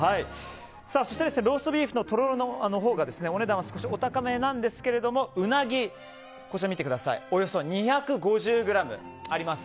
そしてローストビーフのとろろのほうがお値段は少しお高めなんですがウナギ、およそ２５０ｇあります。